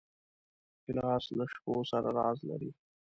ګیلاس له شپو سره راز لري.